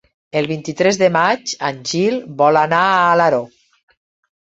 El vint-i-tres de maig en Gil vol anar a Alaró.